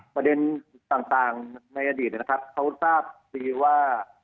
ประเด็นต่างในอดีตเขาทราบว่า